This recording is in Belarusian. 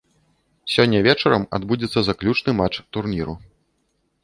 Сёння вечарам адбудзецца заключны матч турніру.